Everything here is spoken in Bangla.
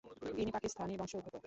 তিনি পাকিস্তানি বংশোদ্ভূত।